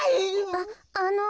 ああの。